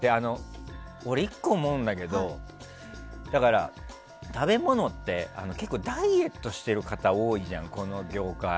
俺、１個思うんだけど食べ物って、結構ダイエットしてる方多いじゃんこの業界。